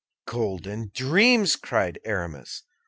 "Golden dreams!" cried Aramis.